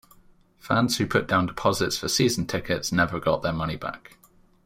Fans who put down deposits for season tickets never got their money back.